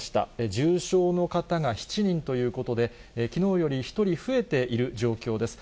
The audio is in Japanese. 重症の方が７人ということで、きのうより１人増えている状況です。